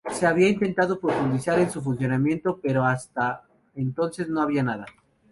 Se había intentado profundizar en su funcionamiento, pero hasta entonces no había nada.